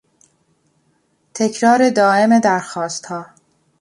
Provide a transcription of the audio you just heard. تکرار دایم درخواستها